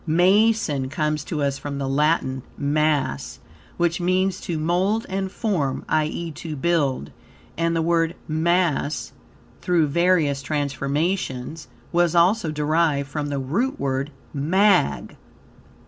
Mason comes to us from the Latin "mass," which means to mould and form, i.e., to build; and the word "mass," through various transformations, was also derived from the root word "mag."